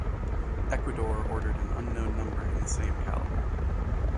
Ecuador ordered an unknown number in the same caliber.